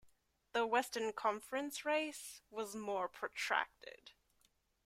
The Western Conference race was more protracted.